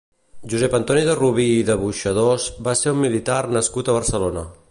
Josep Antoni de Rubí i de Boixadors va ser un militar nascut a Barcelona.